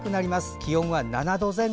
気温は７度前後。